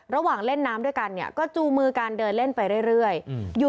ระหว่างเล่นน้ำด้วยกันก็จูมือกันเดินเล่นไปเรื่อย